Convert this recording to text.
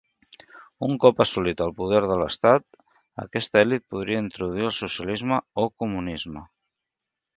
Un cop assolit el poder de l'estat, aquesta elit podria introduir el socialisme o comunisme.